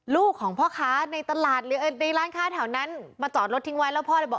ลูกของพ่อค้าในตลาดหรือในร้านค้าแถวนั้นมาจอดรถทิ้งไว้แล้วพ่อเลยบอก